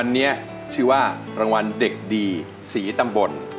อันนี้ชื่อว่ารางวัลเด็กดีศรีตำบล